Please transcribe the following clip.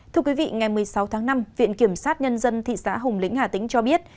thưa quý vị ngày một mươi sáu tháng năm viện kiểm sát nhân dân thị xã hồng lĩnh hà tĩnh cho biết